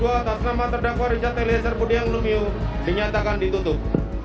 delapan delapan dua ribu dua puluh dua atas nama terdakwa richard eliasar kudengluniu dinyatakan ditutup